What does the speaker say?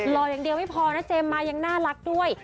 รออย่างเดียวไม่พอนะเจมส์มายังน่ารักด้วย